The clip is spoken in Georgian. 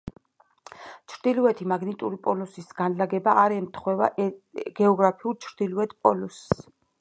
ჩრდილოეთი მაგნიტური პოლუსის განლაგება არ ემთხვევა გეოგრაფიულ ჩრდილოეთ პოლუსს.